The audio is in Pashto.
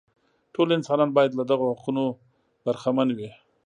ټول انسانان باید له دغو حقونو برخمن وي.